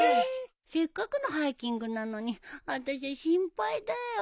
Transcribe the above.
せっかくのハイキングなのにあたしゃ心配だよ。